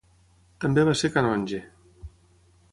També va ser canonge.